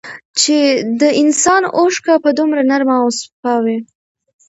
چي د انسان اوښکه به دومره نرمه او سپا وې